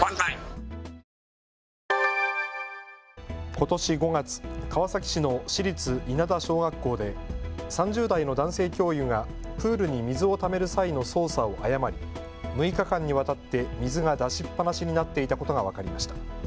ことし５月、川崎市の市立稲田小学校で３０代の男性教諭がプールに水をためる際の操作を誤り６日間にわたって水が出しっぱなしになっていたことが分かりました。